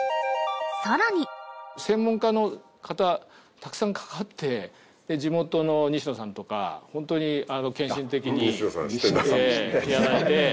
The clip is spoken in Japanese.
さらに専門家の方たくさん関わって地元の西野さんとかホントに献身的にやられて。